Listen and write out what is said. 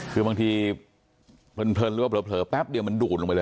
คือบางทีเพลินหรือว่าเผลอแป๊บเดียวมันดูดลงไปเลย